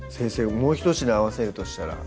もうひと品合わせるとしたら？